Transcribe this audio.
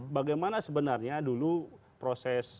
bagaimana sebenarnya dulu proses